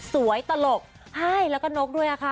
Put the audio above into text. สวยตลกแล้วก็นกด้วยล่ะค่ะ